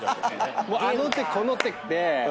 あの手この手で。